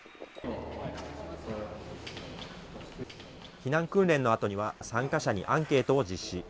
避難訓練のあとには、参加者にアンケートを実施。